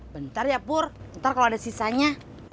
bentar ya pur ntar kalau ada sisanya